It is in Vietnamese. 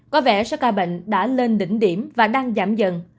có vẻ raka bệnh đã lên đỉnh điểm và đang giảm dần